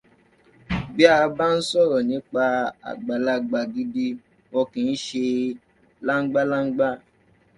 Bí a bá ń sọ̀rọ̀ nípa àgbàlagbà gidi, wọ́n kìí ṣe láńgbá láńgbá